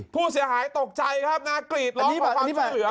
ผู้เสียหายตกใจครับนากรีดร้องความช่วยเหลือ